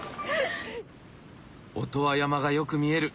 音羽山がよく見える。